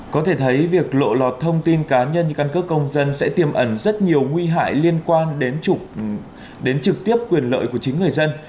có thể thấy việc lộ lọt thông tin cá nhân căn cước công dân sẽ tiềm ẩn rất nhiều nguy hại liên quan đến trực tiếp quyền lợi của chính người dân